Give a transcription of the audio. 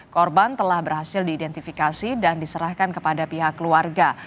korban telah berhasil diidentifikasi dan diserahkan kepada pihak keluarga